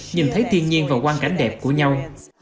nhìn thấy thiên nhiên và quan cảnh đẹp của nhau